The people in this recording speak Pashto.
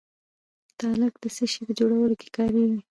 تالک د څه شي په جوړولو کې کاریږي؟